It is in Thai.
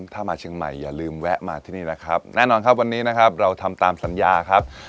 ถ้ามาเชียงใหม่อย่าลืมแวะมาที่นี่นะครับแน่นอนครับวันนี้นะครับเราทำตามสัญญาครับ